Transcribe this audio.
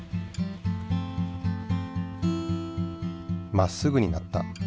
まっすぐになった。